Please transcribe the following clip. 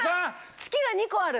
月が２個ある。